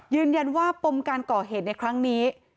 ยืนยันว่าปมการก่อเหตุในครั้งนี้